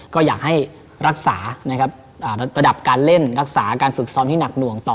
ก็อยากให้รักษานะครับระดับการเล่นรักษาการฝึกซ้อมที่หนักหน่วงต่อ